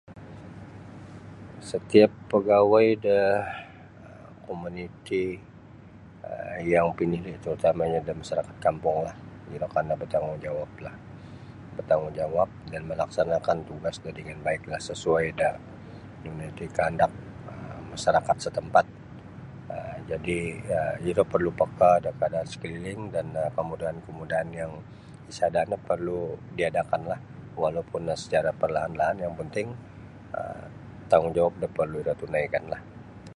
Satiap pagawai da komuniti um yang pinili' terutamanya dalam masyarakat kampunglah iro kana bantanggugjawablah bertanggungjawab dan malaksanakan tugas do dengan baiklah sesuai do nunu iti kandak um masyarakat satampat um jadi um iro perlu peka dangan kaadaan sekeliling dan um kemudaan kemudaan yang isada no perlu diaadakan diaadakan lah walaupun secara perlaan-perlaan yang panting tanggungjawab no parlu iro tunaikan lah.